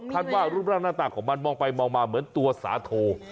ว่ารูปร่างหน้าตาของมันมองไปมองมาเหมือนตัวสาโท